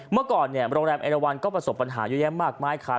เมื่อก่อนเนี่ยโรงแรมเอราวันก็ประสบปัญหาเยอะแยะมากมายค่ะ